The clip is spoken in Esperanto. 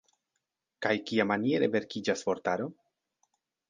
Kaj kiamaniere verkiĝas vortaro?